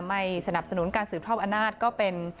ไม่สนับสนุนการสืบทอดอำนาจก็เป็น